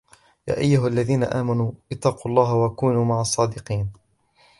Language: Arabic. يا أيها الذين آمنوا اتقوا الله وكونوا مع الصادقين